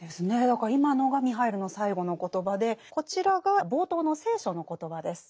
だから今のがミハイルの最後の言葉でこちらが冒頭の「聖書」の言葉です。